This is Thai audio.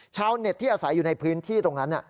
ชาวเน็ตที่อาศัยอยู่ในพื้นที่ตรงนั้น